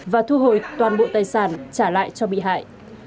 và thu hồi toàn bộ tài sản trả lại cho bị hại